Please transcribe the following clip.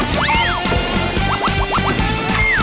ไป